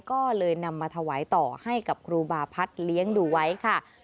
ก็เลยนำมาถวายต่อให้กับครูบาพัฒน์เลี้ยงดูไว้ค่ะ